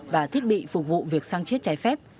và thiết bị phục vụ việc sang chiếc trái phép